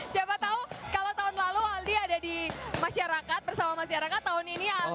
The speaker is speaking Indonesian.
siapa tahu kalau tahun lalu ali ada di masyarakat bersama masyarakat tahun ini aldi